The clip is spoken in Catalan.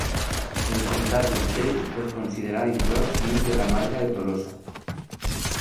El comtat d'Urgell es considerà inclòs dins de la Marca de Tolosa.